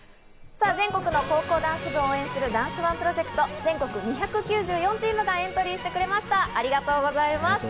さぁ、全国の高校ダンス部を応援するダンスＯＮＥプロジェクト、全国２９４チームがエントリーしてくれました、ありがとうございます。